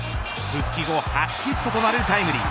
復帰後初ヒットとなるタイムリー。